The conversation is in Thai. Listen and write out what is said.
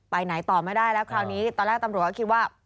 ไปไหนต่อไม่ได้แล้วคราวนี้ตอนแรกตำรวจก็คิดว่า